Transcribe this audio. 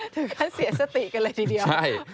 ถึงขั้นเสียสติกันเลยทีเดียว